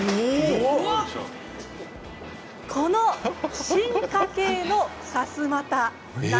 この進化系のさすまた